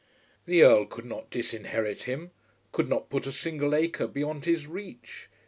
The Earl could not disinherit him; could not put a single acre beyond his reach.